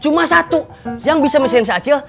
cuma satu yang bisa mesin acil